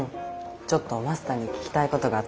ちょっとマスターに聞きたいことがあって。